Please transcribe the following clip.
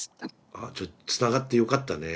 あじゃあつながってよかったね。